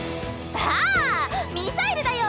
ああミサイルだよ。